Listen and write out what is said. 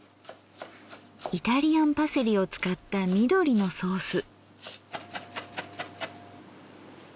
イタリアンパセリを使った緑のソース。